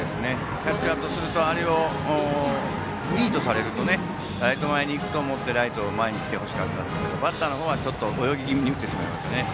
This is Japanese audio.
キャッチャーとするとあれをミートされるとライト前に行くと思ってライトが前に来てほしかったんですけどバッターの方は泳ぎ気味に打ってしまいました。